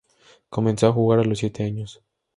Comenzó a jugar a los siete años.